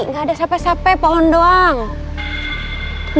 gak ada siapa siapa pohon doang